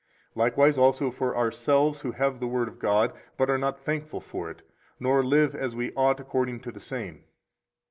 Likewise also for ourselves who have the Word of God, but are not thankful for it, nor live as we ought according to the same.